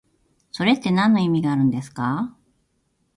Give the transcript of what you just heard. それってなんの意味があるのですか？